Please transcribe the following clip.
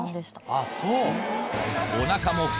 あっそう。